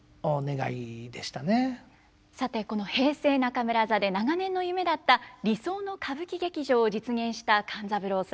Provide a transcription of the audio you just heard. さてこの平成中村座で長年の夢だった理想の歌舞伎劇場を実現した勘三郎さん。